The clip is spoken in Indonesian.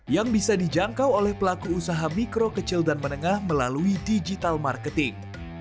yang bisa dijangkau oleh pelaku usaha mikro kecil dan menengah melalui digital marketing